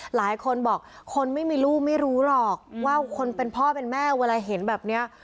หลายคนบอกคนไม่มีลูกไม่รู้หรอกว่าคนเป็นพ่อเป็นแม่เวลาเห็นแบบนี้